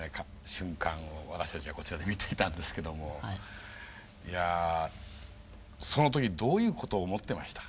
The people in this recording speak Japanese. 瞬間を私たちはこちらで見ていたんですけどもいやその時どういうことを思ってました？